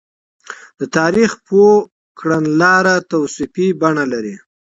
د تاريخ پوه کړنلاره توصيفي بڼه لري.